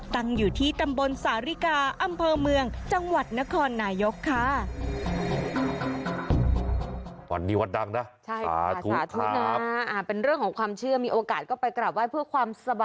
ตั้งอยู่ที่ตำบลสาริกาอำเภอเมืองจังหวัดนครนายกค่ะ